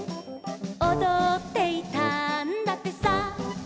「おどっていたんだってさ」